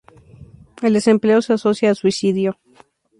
El desempleo se asocia a suicidio.